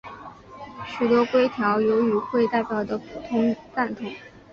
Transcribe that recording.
许多规条有与会代表的普遍赞同。